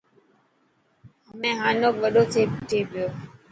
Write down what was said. همي حانوڪ وڏو ٿي پيو.